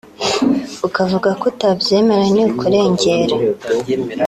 ukavuga ko utabyemera ni ukurengera